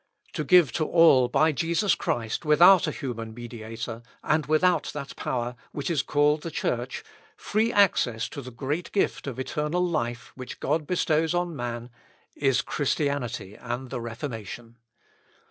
To give to all by Jesus Christ without a human mediator, and without that power, which is called the Church, free access to the great gift of eternal life, which God bestows on man, is Christianity and the Reformation.